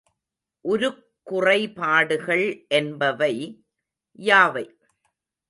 உருக்குறைபாடுகள் என்பவை யாவை?